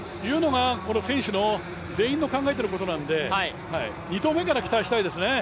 この選手全員の考えていることなので２投目から期待したいですね。